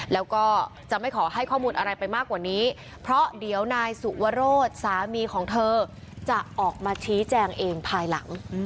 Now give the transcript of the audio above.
แล้วก็จะไม่ขอให้ข้อมูลอะไรไปมากกว่านี้เพราะเดี๋ยวนายสุวรสสามีของเธอจะออกมาชี้แจงเองภายหลัง